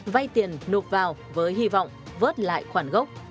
vay tiền nộp vào với hy vọng vớt lại khoản gốc